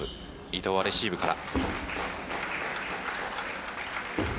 伊藤はレシーブから。